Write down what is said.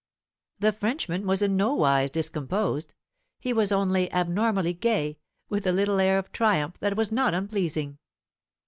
The Frenchman was in no wise discomposed; he was only abnormally gay, with a little air of triumph that was not unpleasing.